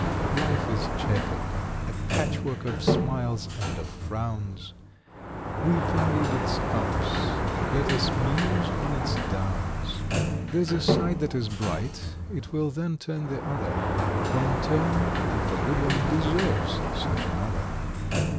Life is chequer'd, a patchwork of smiles and of frowns; We valued its ups, let us muse on its downs. There's a side that is bright, it will then turn the other, One turn, if a good one, deserves such another.